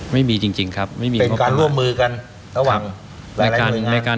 ไม่มีจริงจริงครับไม่มีเป็นการร่วมมือกันระหว่างในการ